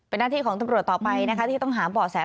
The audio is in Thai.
เป็นหน้าที่ของตำรวจต่อไปนะคะที่ต้องหาบ่อแส